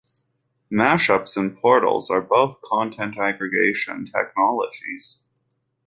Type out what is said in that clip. Mashups and portals are both content aggregation technologies.